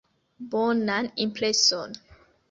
Bonan impreson!